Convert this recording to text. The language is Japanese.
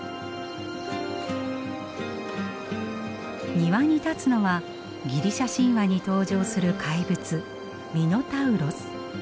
庭に立つのはギリシャ神話に登場する怪物ミノタウロス。